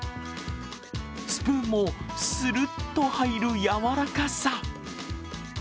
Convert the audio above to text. スプーンもするっと入るやわらかさ。